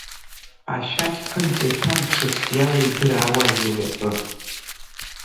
Ашәақь ԥынҵа иҭамԥшыц иалидыраауазеи уи атәы!